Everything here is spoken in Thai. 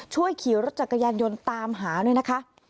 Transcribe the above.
ช่วยขี่รถจักรยานยนต์ตามหาด้วยนะคะ